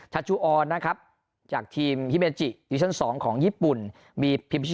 ัชจูออนนะครับจากทีมฮิเมจิดิชั่น๒ของญี่ปุ่นมีพิชิ